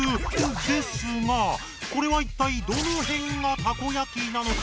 ですがこれはいったいどのへんが「たこやき」なのか！？